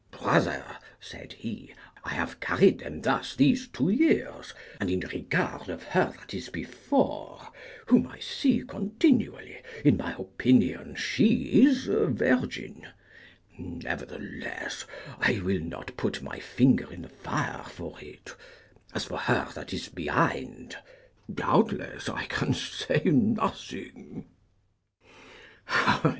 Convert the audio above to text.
Brother, said he, I have carried them thus these two years, and in regard of her that is before, whom I see continually, in my opinion she is a virgin, nevertheless I will not put my finger in the fire for it; as for her that is behind, doubtless I can say nothing.